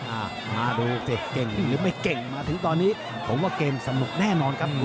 อ่ามาดูเสร็จเก่งหรือไม่เก่งมาถึงตอนนี้ผมว่าเกมสนุกแน่นอนครับ